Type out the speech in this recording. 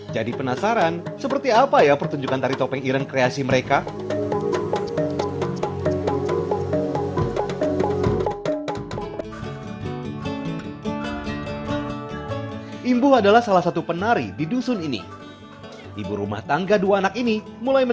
jadi penasaran seperti apa ya pertunjukan tari topeng ireng kreasi mereka